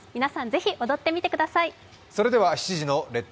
ぜひ踊ってみてください。